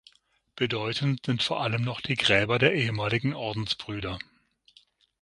Bedeutend sind vor allem noch die Gräber der ehemaligen Ordensbrüder.